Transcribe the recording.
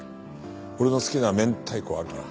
俺の好きな明太子あるかな？